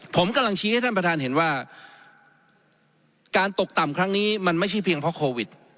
ผมกำลังชี้ให้ท่านประธานเห็นว่าการตกต่ำครั้งนี้มันไม่ใช่เพียงเพราะโควิด